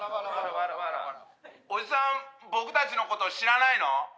おじさん僕たちのこと知らないの？